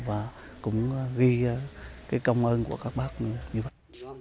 và cũng ghi cái công ơn của các bác như vậy